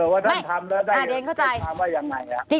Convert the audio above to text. ว่าท่านทำแล้วได้ใจความว่ายังไง